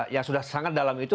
yang sudah sangat dalam itu